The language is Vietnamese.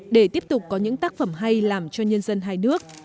để tiếp tục có những tác phẩm hay làm cho nhân dân hai nước